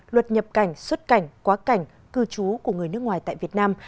luật nhập cảnh xuất cảnh quá cảnh cư trú của người nước ngoài tại việt nam